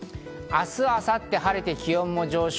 明日、明後日は晴れて気温も上昇。